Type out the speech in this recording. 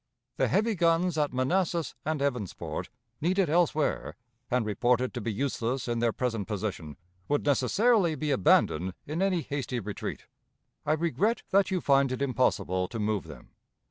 "The heavy guns at Manassas and Evansport, needed elsewhere, and reported to be useless in their present position, would necessarily be abandoned in any hasty retreat. I regret that you find it impossible to move them.